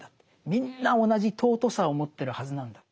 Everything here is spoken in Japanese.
みんな同じ尊さを持ってるはずなんだと。